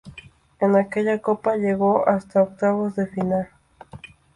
En aquella Copa llegó hasta octavos de final.